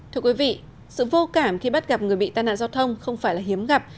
thưa quý vị sự vô cảm khi bắt gặp người bị tai nạn giao thông không phải là hiếm gặp